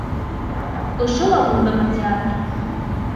Ошо ла булдымы театр!